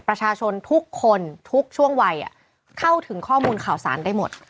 ประชาชนทุกคนทุกช่วงวัยเข้าถึงข้อมูลข่าวสารได้หมด